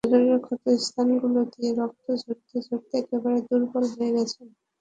শরীরের ক্ষতস্থানগুলো দিয়ে রক্ত ঝরতে ঝরতে একেবারে দুর্বল হয়ে গেলেন।